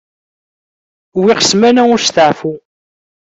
Wwiɣ ssmana usteɛfu.